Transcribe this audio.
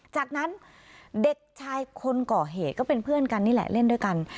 จากนั้นเด็กชายคนก่อเหตุก็เป็นเพื่อนกันนี่แหละเล่นด้วยกัน